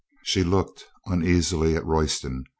... She looked uneasily at Royston.